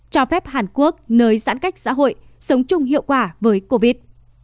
cho phép hàn quốc nơi giãn cách xã hội sống chung hiệu quả với covid